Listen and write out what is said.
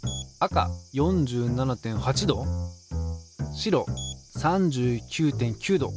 白３９．９℃。